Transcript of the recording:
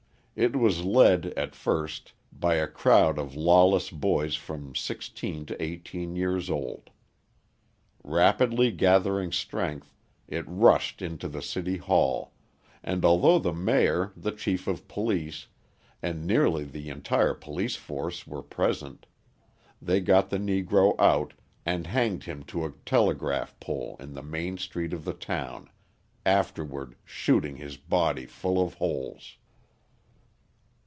It was led, at first, by a crowd of lawless boys from sixteen to eighteen years old. Rapidly gathering strength, it rushed into the city hall, and although the mayor, the chief of police, and nearly the entire police force were present, they got the Negro out and hanged him to a telegraph pole in the main street of the town, afterward shooting his body full of holes.